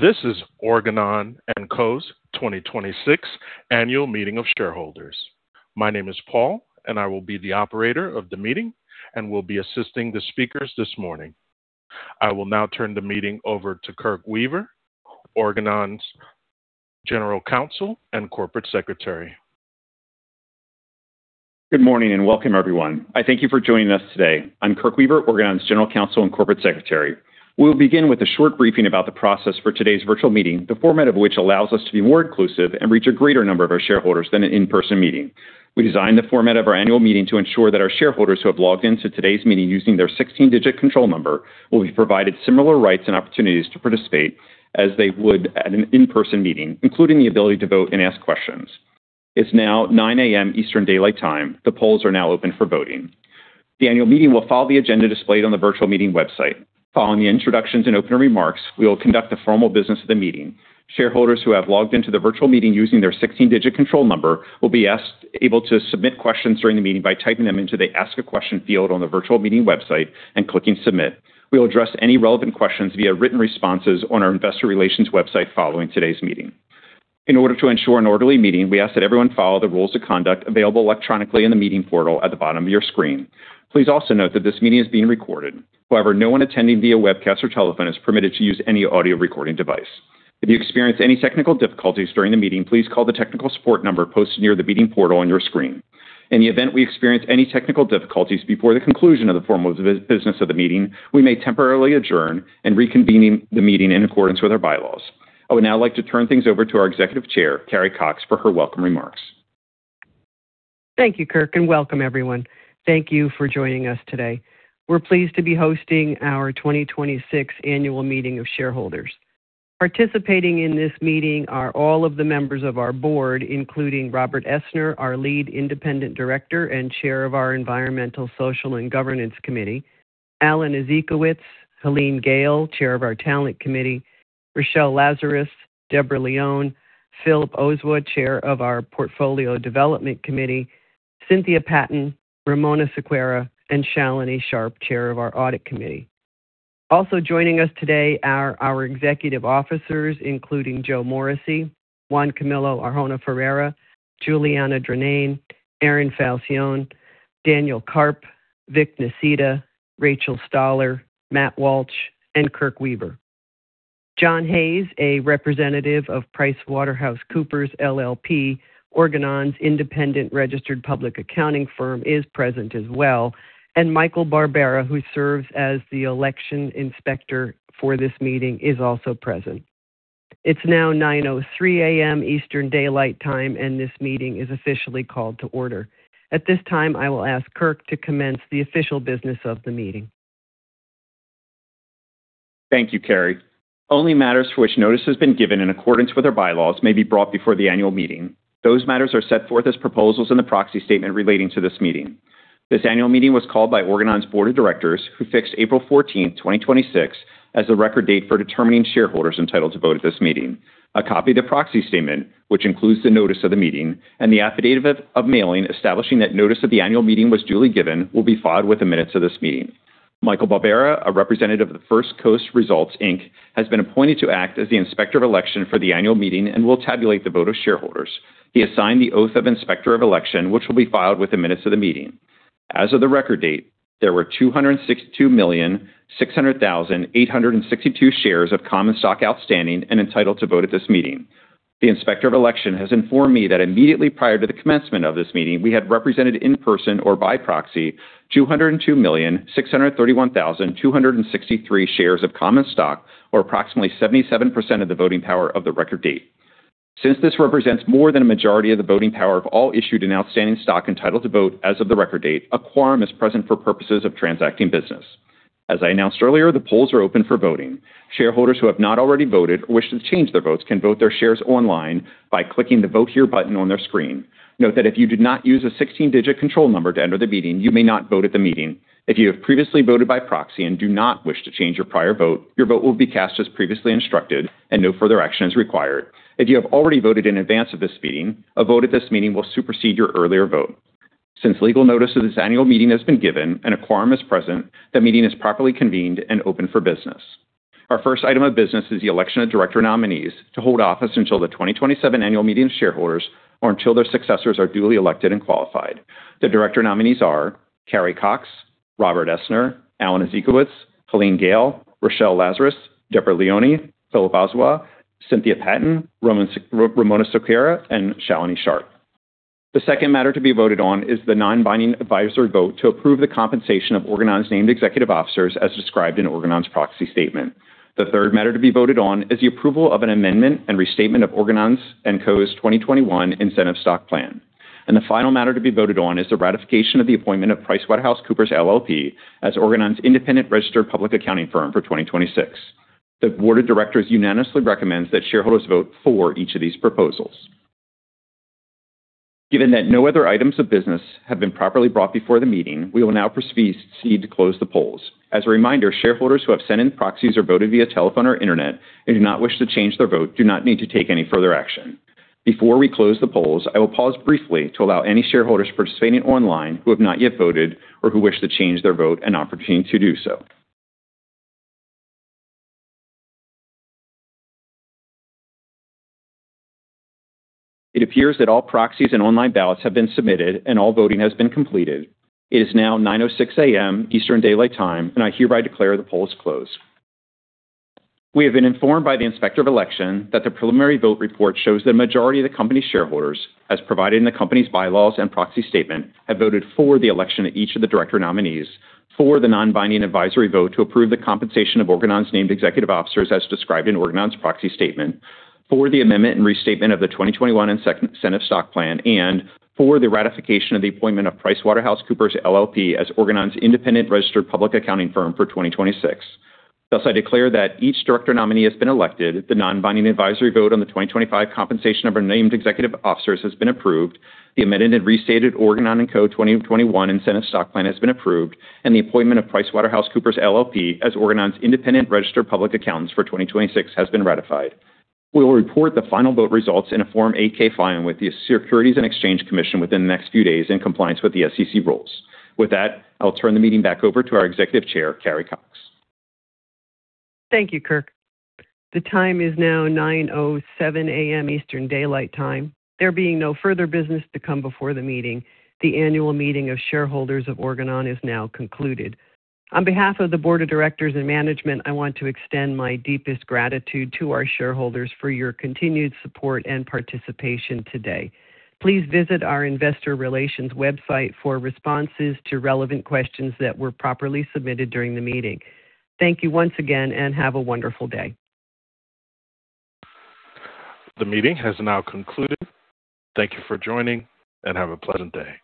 This is Organon & Co.'s 2026 annual meeting of shareholders. My name is Paul, I will be the operator of the meeting and will be assisting the speakers this morning. I will now turn the meeting over to Kirke Weaver, Organon's General Counsel and Corporate Secretary. Good morning. Welcome, everyone. I thank you for joining us today. I'm Kirke Weaver, Organon's General Counsel and Corporate Secretary. We will begin with a short briefing about the process for today's virtual meeting, the format of which allows us to be more inclusive and reach a greater number of our shareholders than an in-person meeting. We designed the format of our annual meeting to ensure that our shareholders who have logged in to today's meeting using their 16-digit control number will be provided similar rights and opportunities to participate as they would at an in-person meeting, including the ability to vote and ask questions. It's now 9:00A.M. Eastern Daylight Time. The polls are now open for voting. The annual meeting will follow the agenda displayed on the virtual meeting website. Following the introductions and opening remarks, we will conduct the formal business of the meeting. Shareholders who have logged in to the virtual meeting using their 16-digit control number will be able to submit questions during the meeting by typing them into the Ask a Question field on the virtual meeting website and clicking Submit. We will address any relevant questions via written responses on our investor relations website following today's meeting. In order to ensure an orderly meeting, we ask that everyone follow the rules of conduct available electronically in the meeting portal at the bottom of your screen. Please also note that this meeting is being recorded. However, no one attending via webcast or telephone is permitted to use any audio recording device. If you experience any technical difficulties during the meeting, please call the technical support number posted near the meeting portal on your screen. In the event we experience any technical difficulties before the conclusion of the formal business of the meeting, we may temporarily adjourn and reconvene the meeting in accordance with our bylaws. I would now like to turn things over to our Executive Chair, Carrie Cox, for her welcome remarks. Thank you, Kirke, and welcome, everyone. Thank you for joining us today. We are pleased to be hosting our 2026 annual meeting of shareholders. Participating in this meeting are all of the members of our board, including Robert Essner, our Lead Independent Director and Chair of our Environmental, Social & Governance Committee, Alan Ezekowitz, Helene Gayle, Chair of our Talent Committee, Shelly Lazarus, Deborah Leone, Philip Ozuah, Chair of our Portfolio Development Committee, Cynthia Patton, Ramona Sequeira, and Shalini Sharp, Chair of our Audit Committee. Also joining us today are our executive officers, including Joe Morrissey, Juan Camilo Arjona Ferreira, Juliana Drinane, Aaron Falcione, Daniel Karp, Vic Nisita, Rachel Stahler, Matt Walsh, and Kirke Weaver. John Hayes, a representative of PricewaterhouseCoopers LLP, Organon's independent registered public accounting firm, is present as well, and Michael Barbera, who serves the inspector of election for this meeting, is also present. It is now 9:03A.M. Eastern Daylight Time, and this meeting is officially called to order. At this time, I will ask Kirke to commence the official business of the meeting. Thank you, Carrie. Only matters for which notice has been given in accordance with our bylaws may be brought before the annual meeting. Those matters are set forth as proposals in the proxy statement relating to this meeting. This annual meeting was called by Organon's board of directors, who fixed April 14, 2026, as the record date for determining shareholders entitled to vote at this meeting. A copy of the proxy statement, which includes the notice of the meeting, and the affidavit of mailing establishing that notice of the annual meeting was duly given, will be filed with the minutes of this meeting. Michael Barbera, a representative of the First Coast Results, Inc, has been appointed to act as the inspector of election for the annual meeting and will tabulate the vote of shareholders. He has signed the oath of inspector of election, which will be filed with the minutes of the meeting. As of the record date, there were 262,600,862 shares of common stock outstanding and entitled to vote at this meeting. The inspector of election has informed me that immediately prior to the commencement of this meeting, we had represented in person or by proxy 202,631,263 shares of common stock, or approximately 77% of the voting power of the record date. Since this represents more than a majority of the voting power of all issued and outstanding stock entitled to vote as of the record date, a quorum is present for purposes of transacting business. As I announced earlier, the polls are open for voting. Shareholders who have not already voted or wish to change their votes can vote their shares online by clicking the Vote Here button on their screen. Note that if you did not use a 16-digit control number to enter the meeting, you may not vote at the meeting. If you have previously voted by proxy and do not wish to change your prior vote, your vote will be cast as previously instructed and no further action is required. If you have already voted in advance of this meeting, a vote at this meeting will supersede your earlier vote. Since legal notice of this annual meeting has been given and a quorum is present, the meeting is properly convened and open for business. Our first item of business is the election of director nominees to hold office until the 2027 annual meeting of shareholders or until their successors are duly elected and qualified. The director nominees are Carrie Cox, Robert Essner, Alan Ezekowitz, Helene Gayle, Shelly Lazarus, Deborah Leone, Philip Ozuah, Cynthia Patton, Ramona Sequeira, and Shalini Sharp. The second matter to be voted on is the non-binding advisory vote to approve the compensation of Organon's named executive officers as described in Organon's proxy statement. The third matter to be voted on is the approval of an amendment and restatement of Organon & Co.'s 2021 Incentive Stock Plan. The final matter to be voted on is the ratification of the appointment of PricewaterhouseCoopers LLP as Organon's independent registered public accounting firm for 2026. The board of directors unanimously recommends that shareholders vote for each of these proposals. Given that no other items of business have been properly brought before the meeting, we will now proceed to close the polls. As a reminder, shareholders who have sent in proxies or voted via telephone or internet and do not wish to change their vote do not need to take any further action. Before we close the polls, I will pause briefly to allow any shareholders participating online who have not yet voted or who wish to change their vote an opportunity to do so. It appears that all proxies and online ballots have been submitted and all voting has been completed. It is now 9:06A.M. Eastern Daylight Time. I hereby declare the polls closed. We have been informed by the inspector of election that the preliminary vote report shows the majority of the company's shareholders, as provided in the company's bylaws and proxy statement, have voted for the election of each of the director nominees for the non-binding advisory vote to approve the compensation of Organon's named executive officers as described in Organon's proxy statement for the amendment and restatement of the Organon & Co. 2021 Incentive Stock Plan and for the ratification of the appointment of PricewaterhouseCoopers LLP as Organon's independent registered public accounting firm for 2026. Thus, I declare that each director nominee has been elected. The non-binding advisory vote on the 2025 compensation of our named executive officers has been approved. The amended and restated Organon & Co. 2021 Incentive Stock Plan has been approved, and the appointment of PricewaterhouseCoopers LLP as Organon's independent registered public accountants for 2026 has been ratified. We will report the final vote results in a Form 8-K filing with the Securities and Exchange Commission within the next few days in compliance with the SEC rules. With that, I'll turn the meeting back over to our Executive Chair, Carrie Cox. Thank you, Kirke. The time is now 9:07A.M. Eastern Daylight Time. There being no further business to come before the meeting, the Annual Meeting of Shareholders of Organon is now concluded. On behalf of the board of directors and management, I want to extend my deepest gratitude to our shareholders for your continued support and participation today. Please visit our investor relations website for responses to relevant questions that were properly submitted during the meeting. Thank you once again. Have a wonderful day. The meeting has now concluded. Thank you for joining. Have a pleasant day.